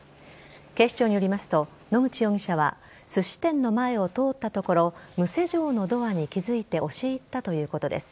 警視庁によりますと野口容疑者はすし店の前を通ったところ無施錠のドアに気付いて押し入ったということです。